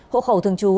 hộ khẩu thường trú